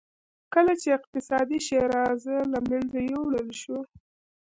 کله چې اقتصادي شیرازه له منځه یووړل شوه.